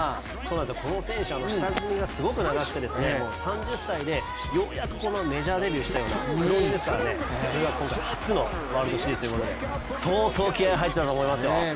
この選手、下積みがすごく長くて３０歳でようやくメジャーデビューしたような選手ですから、初のワールドシリーズということで相当気合い入っていると思いますよ。